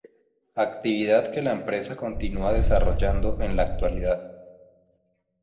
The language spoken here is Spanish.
Actividad que la empresa continúa desarrollando en la actualidad.